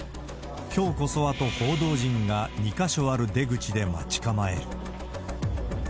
きょうこそはと報道陣が、２か所ある出口で待ち構える。